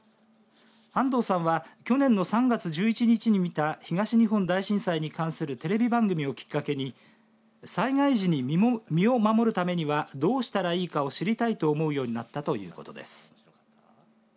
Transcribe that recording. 安藤さんは去年の３月１１日に見た東日本大震災に関するテレビ番組をきっかけに災害時に身を守るためにはどうしたらいいかを知りたいと思うようになったということです。